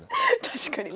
確かに。